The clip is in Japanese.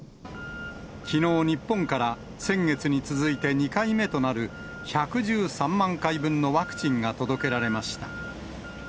きのう、日本から先月に続いて２回目となる、１１３万回分のワクチンが届けられました。